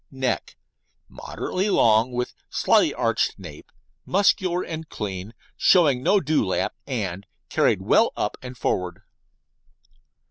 NECK Moderately long, with slightly arched nape, muscular and clean, showing no dewlap, and carried well up and forward.